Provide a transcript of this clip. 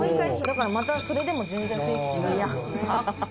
だからまたそれでも全然雰囲気違いますよね。